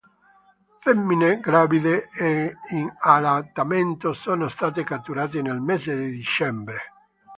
Femmine gravide e in allattamento sono state catturate nel mese di dicembre.